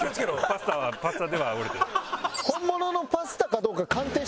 パスタはパスタでは折れてない。